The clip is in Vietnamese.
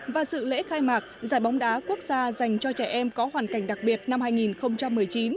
và sự lễ khai mạc giải bóng đá quốc gia dành cho trẻ em có hoàn cảnh đặc biệt năm hai nghìn một mươi chín